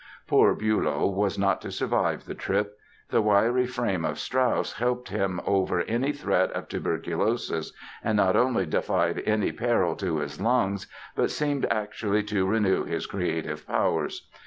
Poor Bülow was not to survive the trip. The wiry frame of Strauss helped him over any threat of tuberculosis and not only defied any peril to his lungs but seemed actually to renew his creative powers.